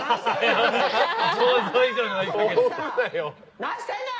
何してんねん！